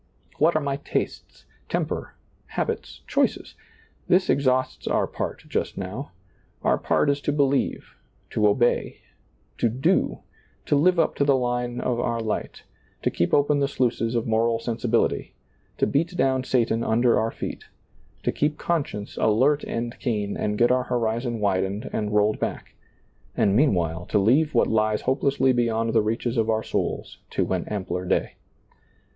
What are my tastes, temper, habits, choices? This exhausts our part just now. Our part is to believe, to obey, to do, to live up to the line of our light, to keep open the sluices of moral sensi bility, to beat down Satan under our feel, to keep conscience alert and keen and get our horizon widened and rolled back, and meanwhile to leave what lies hopelessly beyond the reaches of our souls to an ampler day.